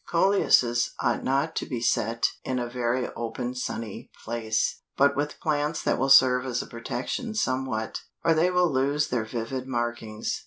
Coleuses ought not to be set in a very open sunny place, but with plants that will serve as a protection somewhat, or they will lose their vivid markings.